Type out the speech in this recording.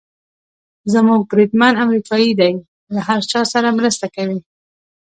زموږ بریدمن امریکایي دی، له هر چا سره مرسته کوي.